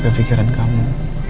tiap kefikiran kamu